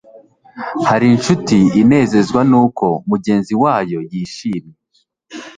hari incuti inezezwa n'uko mugenzi wayo yishimye